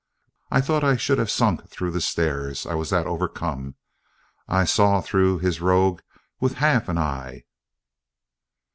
I thought I should have sunk through the stairs, I was that overcome. I saw through his rouge with half an eye."